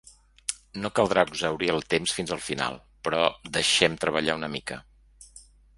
No caldrà exhaurir el temps fins al final, però deixem treballar una mica.